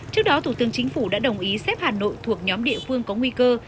trước đó thủ tướng chính phủ đã đồng ý xếp hà nội thuộc nhóm địa phương có nguy cơ